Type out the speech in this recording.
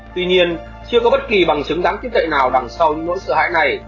tuy nhiên chưa có bất kỳ bằng chứng đáng tin cậy nào đằng sau những nỗi sợ hãi này